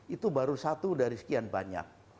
itu baru satu dari sekian banyak